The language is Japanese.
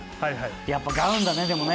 やっぱガウンだねでもね。